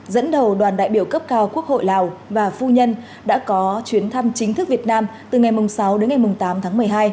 dẫn đầu đoàn đại biểu cấp cao quốc hội lào và phu nhân đã có chuyến thăm chính thức việt nam từ ngày sáu đến ngày tám tháng một mươi hai